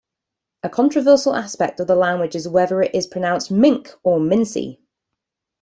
A controversial aspect of the language is whether it is pronounced "mink" or "min-see".